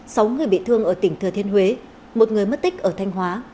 sáu người bị thương ở tỉnh thừa thiên huế một người mất tích ở thanh hóa